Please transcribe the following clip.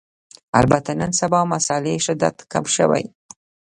البته نن سبا مسألې شدت کم شوی